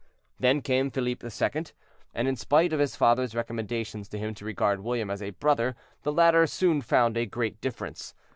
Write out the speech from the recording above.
Then came Philippe II., and in spite of his father's recommendations to him to regard William as a brother, the latter soon found a great difference.